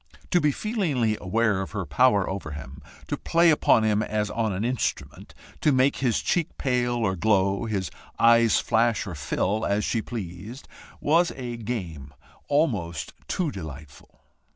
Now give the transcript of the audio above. To be feelingly aware of her power over him, to play upon him as on an instrument, to make his cheek pale or glow, his eyes flash or fill, as she pleased, was a game almost too delightful.